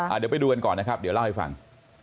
เดี๋ยวไปดูกันก่อนนะครับเดี๋ยวเล่าให้ฟัง